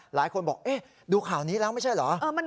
หลายคนบอกดูข่าวนี้แล้วไม่ใช่เหรอ